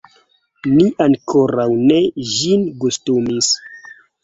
Ni ankoraŭ ne ĝin gustumis.